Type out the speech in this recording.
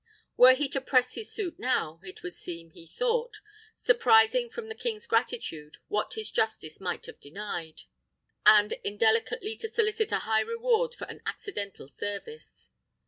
Were he to press his suit now, it would seem, he thought, surprising from the king's gratitude what his justice might have denied, and indelicately to solicit a high reward for an accidental service.